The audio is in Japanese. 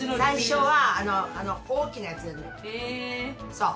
そう。